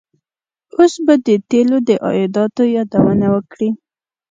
اوس به د تیلو د عایداتو یادونه وکړي.